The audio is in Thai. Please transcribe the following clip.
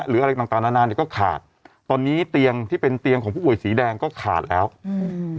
อะไรต่างต่างนานาเนี้ยก็ขาดตอนนี้เตียงที่เป็นเตียงของผู้ป่วยสีแดงก็ขาดแล้วอืม